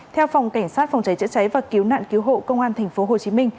theo phòng cảnh sát phòng cháy chữa cháy và cứu nạn cứu hộ công an tp hcm